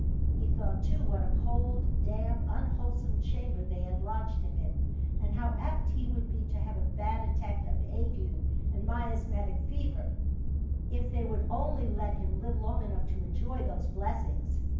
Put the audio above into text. He thought, too, what a cold, damp, unwholesome chamber they had lodged him in, and how apt he would be to have a bad attack of ague and miasmatic fever, if they would only let him live long enough to enjoy those blessings.